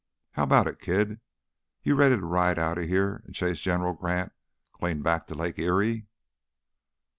How 'bout it, kid? You ready to ride right outta heah an' chase General Grant clean back to Lake Erie?"